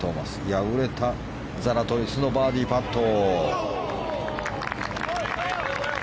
敗れたザラトリスのバーディーパット。